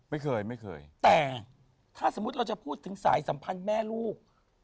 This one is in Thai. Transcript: ไม่เคยไม่เคยแต่ถ้าสมมุติเราจะพูดถึงสายสัมพันธ์แม่ลูก